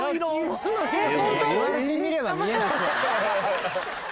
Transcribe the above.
言われてみれば見えなくはない。